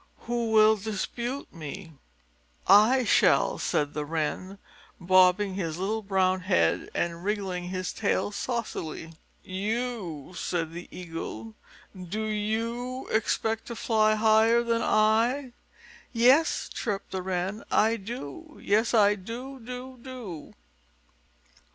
"Who will dispute me?" "I shall," said the Wren, bobbing his little brown head and wriggling his tail saucily. "You!" said the Eagle. "Do you expect to fly higher than I?" "Yes," chirped the Wren, "I do. Yes, I do, do, do!"